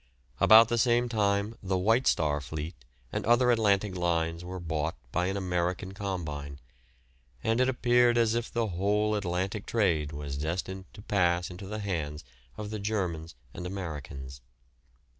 About the same time the White Star fleet and other Atlantic lines were bought by an American combine, and it appeared as if the whole Atlantic trade was destined to pass into the hands of the Germans and Americans.